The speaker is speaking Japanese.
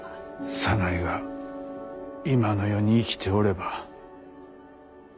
左内が今の世に生きておれば。